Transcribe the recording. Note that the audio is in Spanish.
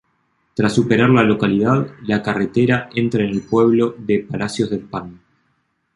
Tras superar la localidad, la carretera entra en el pueblo de Palacios del Pan.